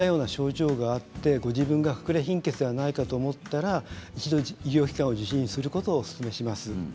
今までお伝えしたような症状があってご自分がかくれ貧血でないかと思ったら一度、医療機関を受診することをおすすめします。